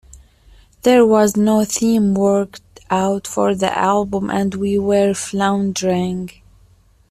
There was no theme worked out for the album and we were floundering.